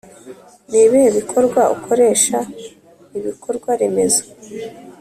Nibihe Bikorwa ukoresha ibikorwaremezo